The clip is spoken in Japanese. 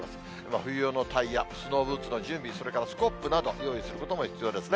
冬用のタイヤ、スノーブーツの準備、それからスコップなど、用意することも必要ですね。